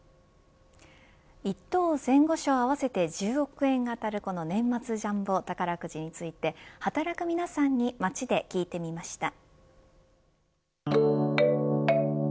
１等、前後賞合わせて１０億円が当たるこの年末ジャンボ宝くじについて働く皆さんに街で聞いてみました。